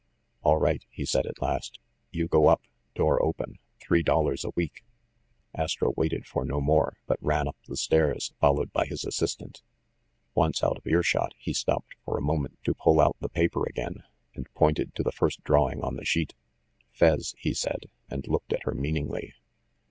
"All right/' he said at last ; "you go up. Door open. Three dollars a week." Astro waited for no more; but ran up the stairs, followed by his assistant. Once out of earshot, he stopped for a moment to pull out the paper again, and pointed to the first drawing on the sheet. "Fez," he said, and looked at her meaningly.